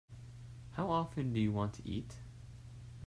How often do you want to eat?